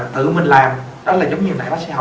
tự mình làm đó là giống như nãy bác sĩ hậu